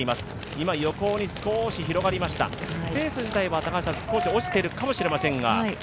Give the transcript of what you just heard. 今、横に少し広がりましたペース自体は少し落ちているかもしれませんが。